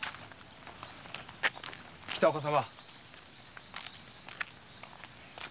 北岡様。